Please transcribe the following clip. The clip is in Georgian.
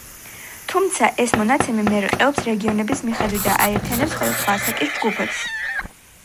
თუმცა ეს მონაცემი მერყეობს რეგიონების მიხედვით და აერთიანებს სხვადასხვა ასაკის ჯგუფებს.